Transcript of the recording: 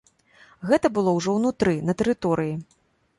Гэта было ўжо ўнутры, на тэрыторыі.